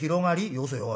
よせよおい。